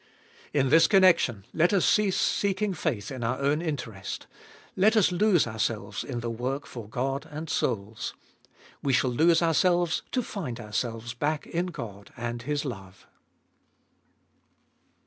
In this connection let us cease seeking faith in our own interest : let us lose ourselves in the work for God and souls. We shall lose ourselves to find ourselves back in God and His love.